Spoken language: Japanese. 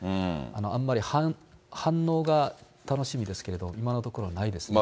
あんまり反応が楽しみですけれども、今のところはないですね。